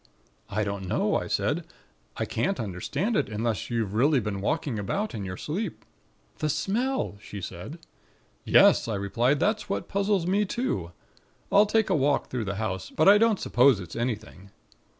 "'I don't know,' I said. 'I can't understand it, unless you've really been walking about in your sleep.' "'The smell,' she said. "'Yes,' I replied. 'That's what puzzles me too. I'll take a walk through the house; but I don't suppose it's anything.'